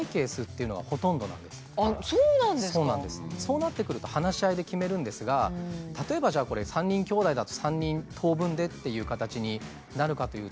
そうなってくると話し合いで決めるんですが例えばじゃあこれ３人きょうだいだと３人等分でっていう形になるかというとですね。